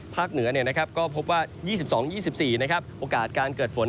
เหนือก็พบว่า๒๒๒๔โอกาสการเกิดฝน